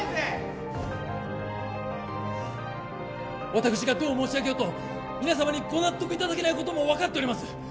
私がどう申し上げようと皆様にご納得いただけないことも分かっております